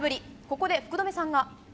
ここで、福留さんが。